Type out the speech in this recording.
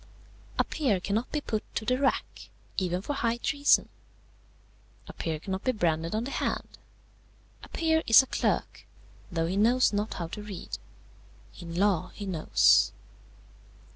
"A peer cannot be put to the rack, even for high treason. A peer cannot be branded on the hand. A peer is a clerk, though he knows not how to read. In law he knows.